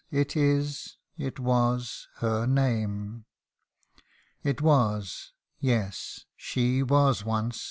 it is it was her name ! It was yes, she was once